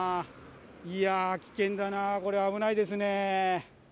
いやー、危険だな、これは危ないですね。